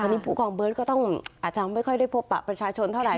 อันนี้ผู้กองเบิร์ตก็ต้องอาจจะไม่ค่อยได้พบปะประชาชนเท่าไห